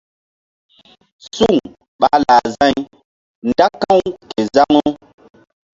Suŋ ɓa lah za̧y nda ka̧w ke zaŋu.